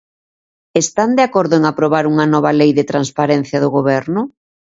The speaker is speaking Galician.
¿Están de acordo en aprobar unha nova lei de transparencia do Goberno?